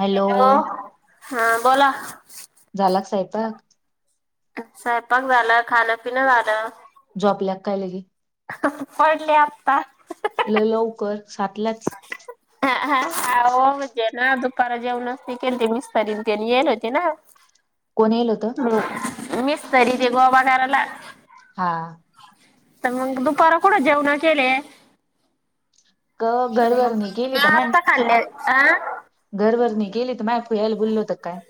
Hello हा बोला झाला का सैपाक? सैपाक झाला, खाणंपिणं झालं. जॉबला कायले आहे पडले आता लय लवकर सातलाच ह ह आव म्हणजे ना दुपार जेवणच नाही केलते मिस्तरीन तेन यायले होते ना कोण येल होत? मग मिस्तरी ते [unintelligible] हा तर मग दुपार कुठं जेवणा केले क घरभरणी गेली तर मॅ ता [unintelligible] गेले तर माय पू यायला बोललोत काय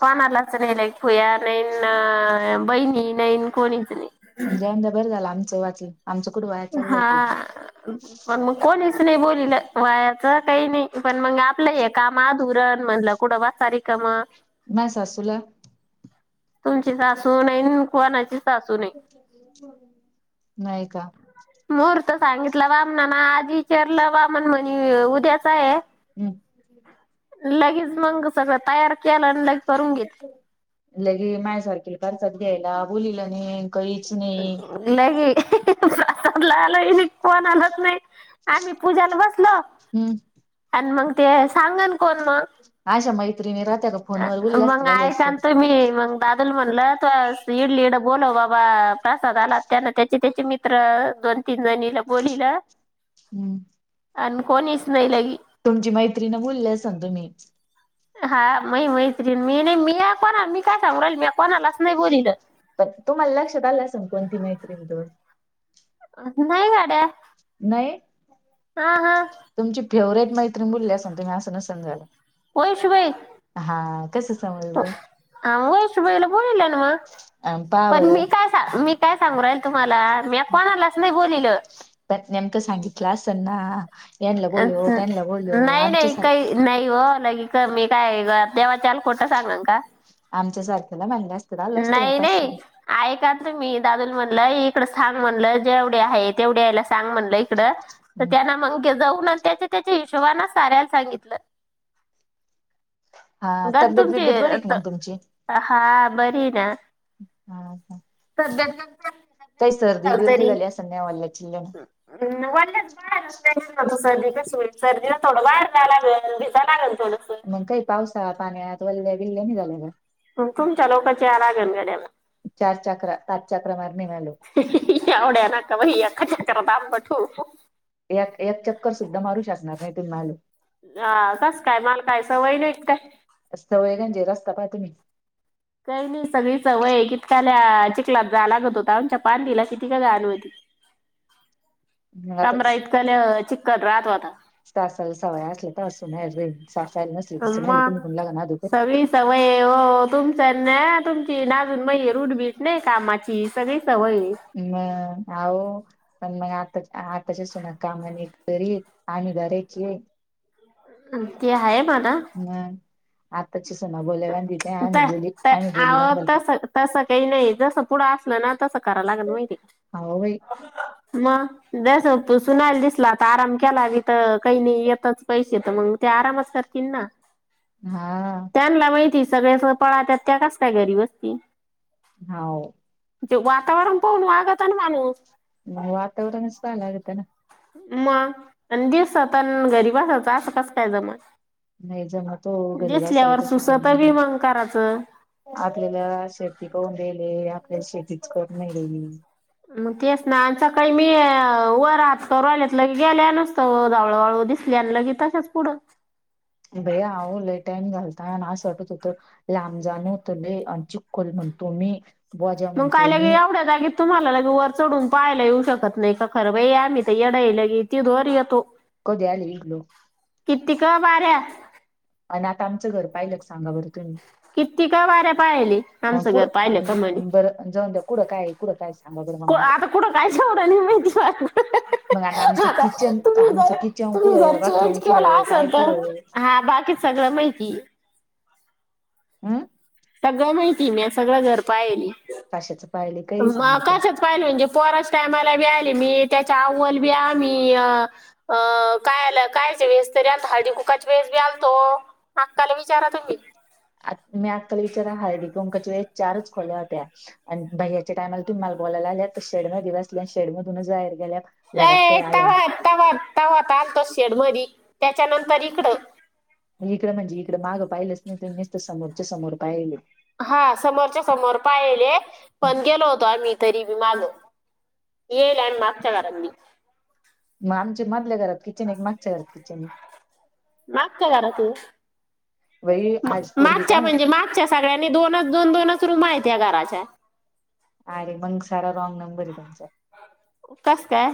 कोणालाच नाही लाईक फुया नाहीन बहिणी नाहीन कोणीच नाही जाऊं दे बरं झालं आमचं वाचल हा मग पण कोणीच नाही बोललं वायाच काही नाही पण मग आपलं हे काम अधुरण म्हणलं कुठं वा स रिकामं मया सासूला तुमची सासु नईना कोणाचीच नाही का तर सांगितलं वामना ना आज विचारलं वामन म्हणे उद्याच आहे हम्म लगेच मंग सगळं तयार केलं आणि लगे करून घेतल लगे मायासारखेल करचात घ्यायला बोलील नाही काहीच नाही लगे [unintelligible] आलो कोण आलच नाही आम्ही पूजाला बसलो - हम्म मग ते सांगा ना हा शा मैत्री नि राहत्या फोनवर बोलल्या असते मग झाले ऐका असते तर मी मग दादाला म्हणल त स इडलि तिकडं बोलव बाबा प्रसाद आला त्याना त्याचे त्याचे मित्र दोन तीन जणीला बोलीलं हम्म आणि कोणीच नाहीलागी तुमची मैत्री न बोलली सां तु मी हा मही मैत्रीण मी नाही मी कोणा मी काय सांगू राहिली मी कोणालाच नाय बोलील. पण तुम्हाला लक्षात आला असण कोणती मैत्रीण त नाई वाड्या नाई तुमची फेवरेट मैत्रीण बोलली असल तुम्ही असं नसण झाालं. वैशु बाई. कसं समजलं? आ म वैशू बाईला बोलील्या ना मग अ पहा पण बरं मी काय सा मी काय सांगू राहीले तुम्हाला म्या कोणालाच नाय बोलिले त्यात नेमकं सांगितलं असल ना यांनला बोलव त्यांनला बोलव नाई आमच्या नाई सार काय नाई हो मी काय गळ्या देवाच्याल खोट सांगण का? आमच्या सारख्याला म्हणलं असतं तर आलो असतो बाय नाई पाच नाई सहा ऐका नं तुम्ही दादू म्हणलं इकड सांग म्हणलं जेवढया हाय तेवढ्या यायला सांग म्हणलं इकड तर जण त्यांना मंग जाऊन अनं त्याच्या त्याच्या हिशोबाना साऱ्याला सांगितलं. हा गण तब्येत तुमची बिब्येत बरी आहे का मग तुमची? हा बरी आहे हा हा सध्या काही सर्दी बर्दी कल संध्या वल चलण सर्दी क होईल सर्दीला थोडं वा अढा लागेल भिता लागेल. थोडस मग काही पावसा पाण्यात वल्ल्या विल्ल्या नाही झाल्या का? मग तुमच्या लवकच्या या रा घलगड्याला चार चक्र पाच चक्र मारणे मिलो. आवड्या नका भाई अकाा चकरा दमबठू. एक एक चक्कर सुद्धा मारू शकणार नाही ते म्हलो. हा कस काय माल काय सवय नाही. काय सवयगंजे रस्ता पाह त मी काही नाही सगळी स वय कितकाला चिकला जा लागत होता आमच्या पां तला किती का गणवती [unintelligible] मग कंमारा इतकाल चिखल राहत होतं तासल सवय असल्या तर असून नाही रे [unintelligible] नसली तस नाही अम्मा निघून लाग ना अधोपरी सवी सवय हो तुमच्या न [inaudible] तुमची नाजून [unintelligible] म रूढबीट नाही कामाची सगळी सवय आहे. हम [inaudible] पण मग आता आता सुना काम एक तरी आम्ही घरायची आहे. अ ते आहे. म्हणा हम् आताच्या सुना बोलावा. तस -तस काही नाही जस पुढं असलं ना. करा लागल हो बाई मग जस तू सुनायला दिसल. आराम केला तिथं तर काही नाही येतच पैसे तर मग ते आरामच करतील ना. हा. सगळेन सोबत पळतात त्या कस काय घरी बसतील. हावं. वातावरण पाहून वागत ना माणूस वातावरण सल आगत ना. मग आणि दिवसात घरी बसायचं असं कस काय जमल. नाही जमा तो घरी बसायला दिसल्यावर कसं सुसत बी जमलं. मग करायचं आपल्याला शेती करहून राले आपल्याला शेतीच करून मग तेच ना सकाळी मी वर हात करु रहिल्यातलं गेल्या नसतं हळूहळू. दिसली की तसच पुढं. भैया हो लय टाईम घालत. असं वाटत होतं लांब जाणवतं आणि चिकखल म्हणतो मी बोजा मग म्हणतो कायला गे मी एवढ्या जागेत तुम्हाला वर चढून पाहायला येऊ शकत नाही का खरं बाई आम्ही तर येढाईला ती ोर येतो. कधी आले इकलो कीतीक बऱ्या आणि आता आमचं घर पाहिलं सांगा बरं तुम्ही किती का बार्या पाहिले अ आमचं घर कुठं पाहिलं अं, बरं जाऊन द्या कुठं काय आहे, कुठं काय सांगा बरं मग म्हटलं मला आता कुठं काय? मा मग आमचं आता किचन तुम्ही आमचं जर किचन तुम्ही जर कुठं चेंज बाथरूम के कुठं काय असल तर कुठं हा बाकीच सगळं माहिती हम. सगळं माहिती मी सगळं घरपायली. कशाचं. पाहिले काही सांगितलं आकाशात पाहिले म्हणजे पोरास टायमाला बी आली मी त्याच्या अवल बी आ [inaudible] काय- काय वे तरी आण हळदी कुका वेळीस बी आणतो आक्काला विचारा तुम्ही आत्याला मी आजकाल विचारा हळदी कुंकवाच्या वेळेस चारच खोल्या होत्या आणि भै्याच्या टाईला तुम्ही. बोला लाल्यात तर शेडमध्येध्ये बल्या आणि शेडमधूनच जार गे. अ तव तवात तवत आलतो शेडमध्ये. त्याच्यानंतर इकडं. इकडं म्हणजे इकडं मागं पाहिलंच नाही त नुसत समोरच्या समोर पाहिले. हा समोरच्या समोर पाहिले पण गेलो होतो आम्ही. तरी मी [inaudible] माग‌ येल आणि मागच्या घरानी. मग आमचे मधल्या घरात किचन एक मागच्या घरात किचन आहे. मागच्या घरातून. बाई आज पोरगी काय मागच्या म्हणे म्हणजे मागच्या सगळ्यांनी दोनच- दोन दोनच. किती रुम आहेत घराच्या. अरे मंग सारा रॉंग नंबर आहे तुमचा. कस काय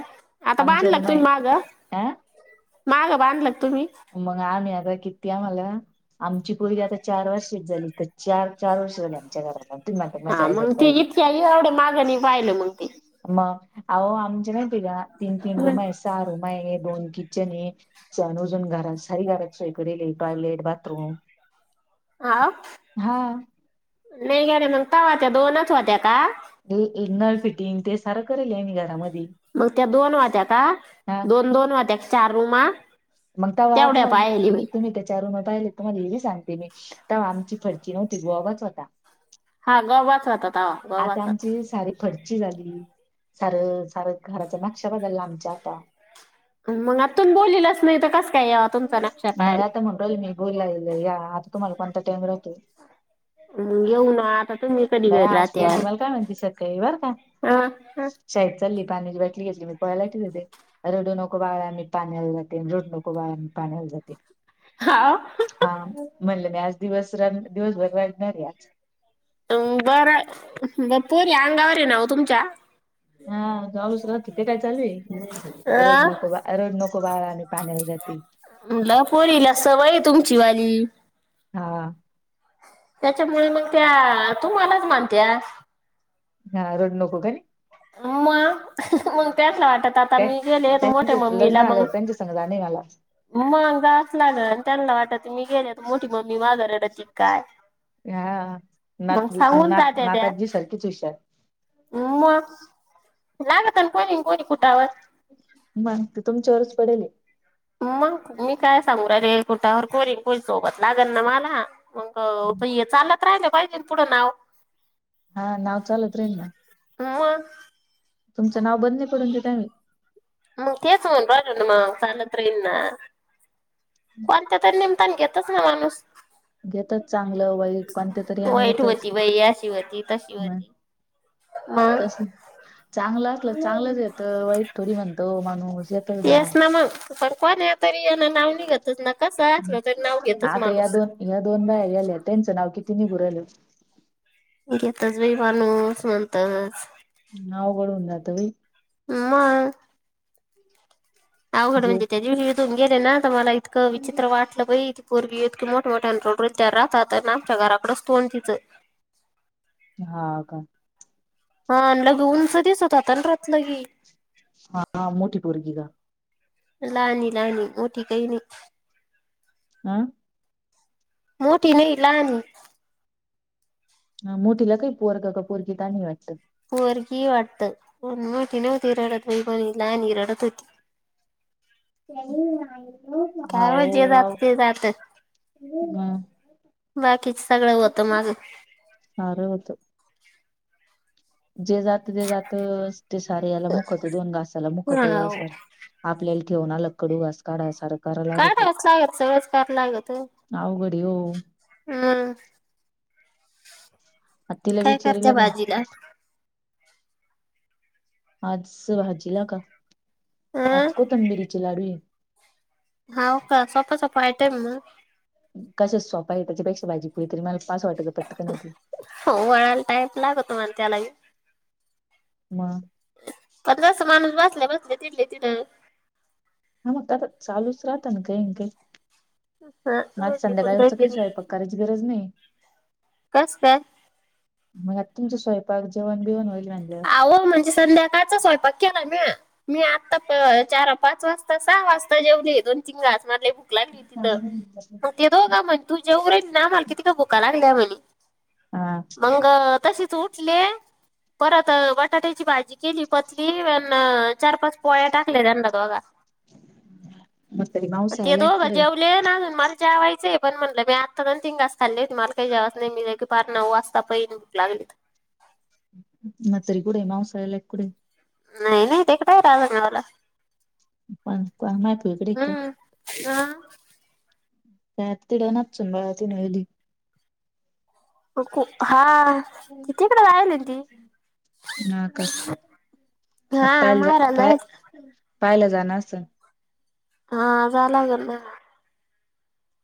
आता आमच्या बांधल रूम तुम्ही आहे मागं अ माग बांधल तुम्ही मग आम्ही आता कितीती आम्हाला आमची पआता चार वर्षच झाली तर चार चार वर्ष झाली आमच्या घरात हा मग ते इतक्या एवढं मागं नाही पाहिलं मग ते [unintelligible] अहो आमच्या नाही तिघा तीन तीन हम्म. रूम आहे सहा रूम आहे दोन किचन आहे सनू. अजून घ सारी गर सोय कर टॉयलेट, बाथरूम. हा हा नाही गरे मग का वा त्या्या दो नथ वा त्या्या. नळ फिटिंग ते सारा करेल म घरामध्ये. मग त्या दोन वात्या का हा दोन दोन वात्या का चार रूमा. मग का वा तुम तेवढ्या पाहिली मी तुम्ही त्याच्या रूम. डायरेक्ट म्हंटले मी सांगते मी तेव्हा आमची फर्ची नव्हती गोबाच होता. हा गवाच रातात. आता आमची सारी खड. झाली सार सार घराच्या माशा बदलला आमच्या आता. मग आतून बोललंच नाही तरस. मला आता म्हग मी बुोल लाल या आता तुम्हाला कोणता टाइम राहतो. मग येऊ ना आता तुम्ही [inaudible] कधी बाया घरी आज राहत्या पोर घी मला काय म्हणती सगकाळी बर का. अ शैचालय. पाण्याची बाटली घेतली मी पोलाेते रडू नको बाळा मी पाण्याला जाते रड नको बाळा. पाण्याल जाते हाव हा. म्हणलं नाही आज दिवस दिवसभर वाढणार आहे आज. बर बपोरी अंगावर ये नाव तुमच्या. हा लूच तिथे काय चालवी रोज नको बा रोज नको बाहेा आणि. म्हला पोरीला सवय तुमची वाली. हा. त्याच्यामुळे मग त्या तू मलाच मानत्या. हा रडू नको काय मग मग त्याच आता काय मी गेले मोठे त्यांचे लग्न मम्मीला मग झाल्यावर त्यांच्या संग जाणे मला मग च लागल त्यांना वाटत मी गेले तर मोठी मम्मी माग रडत येईल काय हा मग नात सांगून नात जहात्या त्या नाताजी सारखीच हुशार मग लागतल मग ती तुमच्यावरच पडेल मग मी काय सांगुण राहिले कुटावरर कोरंग कोण सोबत लागल ना मला मग हे चालत राहिल पाहिजे ना हे पुढं नाव हा नाव चालत राहिलना मग. तुमचं नाव बंद नाही करून देेल. मग तेच म्हणून राहिलो ना, मग सालत येना कोणत्या तर निमताना घेतच ना माणूस. घेतच चांगलं वाईट, कोणत तरी यान वाईट येतच. होती बाई अशी होती तशी होती. मग कस चांगलं. चांगलंच येत वाईट थोडी म्हणतो माणूस येतच द्या. तेच ना मग पण कोण्या तरी याना नाव निघतच ना कसं असलं तरी नाव घेतच आता या, माणूस. दोन या दोन बाय गेल्या त्यांचं नाव किती किती नघून राहिलो करालो. घेतच बाई माणूस नंतरच. अवघडून जात व्हय की. हमा. अवघड जे म्हणजे, त्या दिवशी हीतून गेले ना तर, मला इतकं विचित्र वाटलं बाई. पूर्वी इतके मोठमोठ्या रोडून त्या राहतात. आमच्या घराराकडच तोंड तिचं. हा का. हा आण लग ऊंच दिसत होता रतलंगी हा, हा, मोठी पोरगी का? लानी, लानी मोठी कय नाही आ. मोठी नइ लहानी ह मोठीला काही पोरगं का पोरगी तानी हाय वाटतं? पोरगी हाय वाटतं, पण मोठी नव्हती रडत हो पणी, लहानगी रडत होती हा, ओ काय माहित जे हा जात ते बाकीचं सगळं होतं माझं सार होत. जे जात ते जात, ते सारे याला मुकत दोन गासाला मुकत, हाव आपल्याला जेवणाला कडू घास काढाय सारं कराय लागतच, काढावंच लागत सगळंच करावं लागत अवघड हाय हो. हम्म काय करता विचारीला का बाजीला? आज भाजी ला का, अं आज कोथंबिरीचे लाडू आहे. हाव का सोपा, सोपा आयटेम आहे म कशाच सोपा आहे, त्याच्यापेक्षा भाजी पुुरी तरी मला पास वाटायचं पटकन होती हो, मळायला टाइम लागत पण त्याला मग पण जसं माणूस बास त्या शेजारीच बसले तिथल्या तिथं हा मग आता, चालूच राहत ना काही -काही ह म आज संध्याकाळचं काय स्वयंपाक करायची गरज नाही कस काय? मग आता तुमच स्वयंपाक जेवण बिवन होईल म्हणल्यावर अहो म्हणजे संध्याकाळचा स्वयंपाक केला म्या, मी आत्ता चार-पाच वाजता सहा वाजता जेवले, दोन तीन घास मला लय भूक लागली तिथं, मग ते दोघं म्हणे तू जेव रे, ना आम्हाला कितिका भुका लागल्या म्हणे. हा मंग तसीच उठले परत बटाट्याची भाजी केली पचली अन, चार पाच पोळ्या टाकल्या त्यांना दोघांना मग तरी ते मावसाळ्याला एक दोघं कुठे जेवले आजून मला जेवायचय पण म्हटलं मी आता दोन-तीन गास खाल्लेत, मला काही जेवायच नाही, मी नाय का पार नऊ वाजता पैली भूक लागली [unintelligible] मला तरी कुठंय मासालाय कुढय नाही-नाही, ते काय रागवत नाही मला पण, पण माहितेय ब्रेक हाय हा. त्यात [unintelligible] हा, तिकडं राहायली होती... हा का हा, बाहेर आलोय... पाहिलं जाणार असं... हा झाला गला..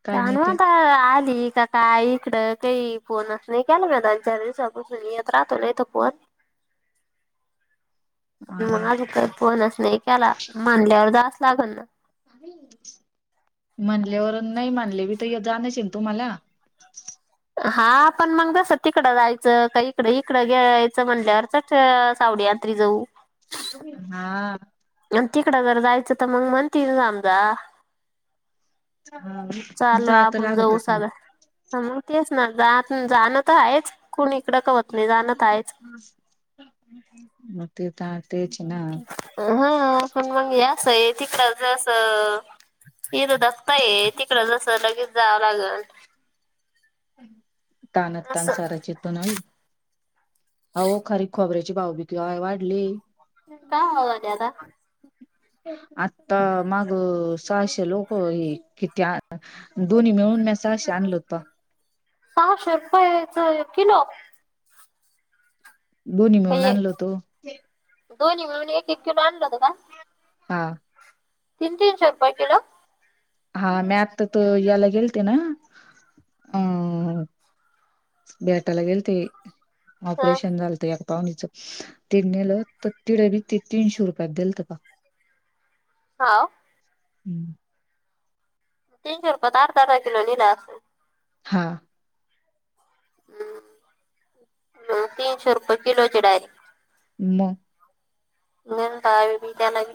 काय नाही कानू त्या आता आज.. येती का काय इकडं, काही फोनच नाही केला मी, दोनचार दिवसापासून येत राहतो नाय त फोन... [unintelligible] म हा माझ काय फोनच नाही केला म्हनल्यावर जास्त लागल ना... का... म्हणल्यावरून नाही म्हनले मी तर जाणच हाय तुम्हाला... हा पण मग जस तिकडं जायचं का इकड इकडं घ्यायचं म्हणल्यावर कच सावड... रात्री जाऊ... हा... तिकडं जर जायचं तर, मग म्हणते [unintelligible] जा हा चला, जात आपण जाऊ लागतच चालतं नाही हा मग तेच जा जाणं तर आहेच कुणी तीकडं काय नाही जाणतयच मग ते तेच ना हा पण मग यास आहे तिकड जसं... इथ धका ये तिकड जस लगेच जावं लागल तानात तान असं साराच चेतन हो खरी खबर आहे.. भावभिक वाढली.. का होदला.. आता मग सहाशे लोक हे किती दोन्ही मिळून... शांगल होता... सहाशे रुपयच किलो... बोनी म्हणून आणलो तो... दोन्हीळून एक किलो आणला... हा... तीन तीनशे रुपये किलो.. हा मी आता तर त याला गेलते ना अ... बेटायला गेल ते हा ऑपरेशन झालते... पाहणीच ते नेलं तर तिड बी ते तीनशे रुपयात देल त का... हा... हम्म... तीनशे रुपय अर्धा अर्धा किलो लिहला असतो... हा... हम्म तीनशे रुपये किलोची डाय... ह... न कावे मी त्यालागे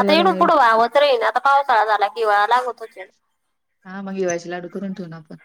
आता येडून बाय पुढं ववत रही ना... आता पावसाळा झाला किवाळा लागवत हो... हा मग ये वयचे लाडू करून ठेवून आपण...